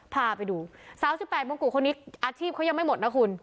สาวสิบแปดปวงกุคนนี้อาชีพก็ยังไม่หมดน่ะคุณ